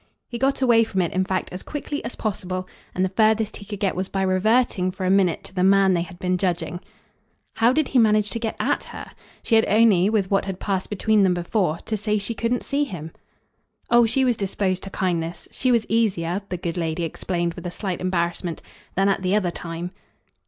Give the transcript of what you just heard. He got away from it in fact as quickly as possible, and the furthest he could get was by reverting for a minute to the man they had been judging. "How did he manage to get AT her? She had only with what had passed between them before to say she couldn't see him." "Oh she was disposed to kindness. She was easier," the good lady explained with a slight embarrassment, "than at the other time."